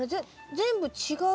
全部違う。